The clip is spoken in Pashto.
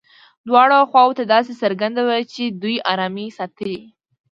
دواړو خواوو ته داسې څرګندوي چې دوی ارامي ساتلې.